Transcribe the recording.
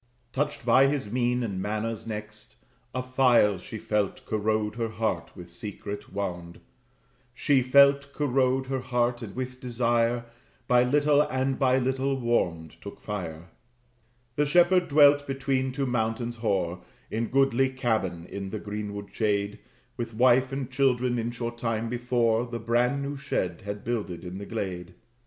Touched by his mien and manners next, a file She felt corrode her heart with secret wound; She felt corrode her heart, and with desire, By little and by little warmed, took fire. The shepherd dwelt between two mountains hoar, In goodly cabin, in the greenwood shade, With wife and children; in short time before, The brand new shed had builded in the glade.